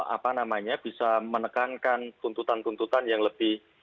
apa namanya bisa menekankan tuntutan tuntutan yang lebih